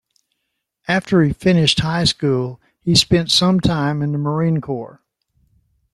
After he finished high school he spent some time in the Marine Corps.